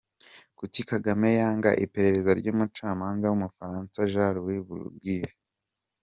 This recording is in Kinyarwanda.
Kuki Kagame yanga iperereza ry’umucamanza w’umufaransa Jean Louis Bruguière?